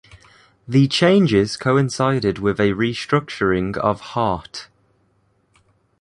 The changes coincided with a restructuring of Heart.